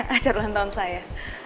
acara ulang tahun saya